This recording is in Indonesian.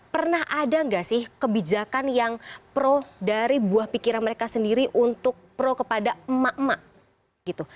pernah ada nggak sih kebijakan yang pro dari buah pikiran mereka sendiri untuk pro kepada emak emak gitu